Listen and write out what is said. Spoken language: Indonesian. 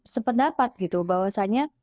sependapat gitu bahwasanya